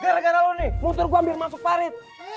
gara gara lo nih motor gue ambil masuk parit